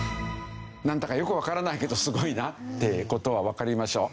なんだかよくわからないけどすごいなっていう事はわかりますでしょう？